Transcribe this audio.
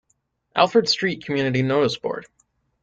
Alfred Street community notice board.